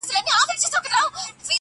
خو یو شمیر زلمي د ایلیټ